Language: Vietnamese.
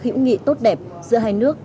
hữu nghị tốt đẹp giữa hai nước